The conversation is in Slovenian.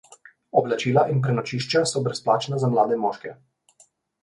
Oblačila in prenočišča so brezplačna za mlade moške.